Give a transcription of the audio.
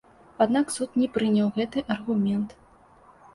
Аднак суд не прыняў гэты аргумент.